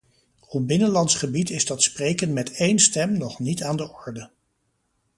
Op binnenlands gebied is dat spreken met één stem nog niet aan de orde.